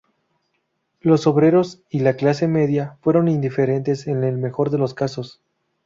Los obreros y la clase media fueron indiferentes en el mejor de los casos.